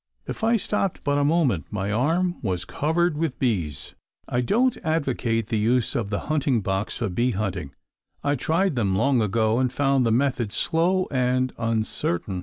If I stopped but a moment, my arm was covered with bees. I don't advocate the use of the hunting box for bee hunting. I tried them long ago and found the method slow and uncertain.